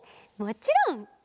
もちろん！